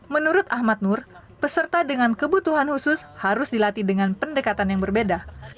menurut ahmad nur peserta dengan kebutuhan khusus harus dilatih dengan pendekatan yang berbeda